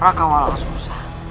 rakamu walang susah